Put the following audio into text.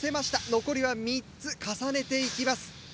残りは３つ重ねていきます。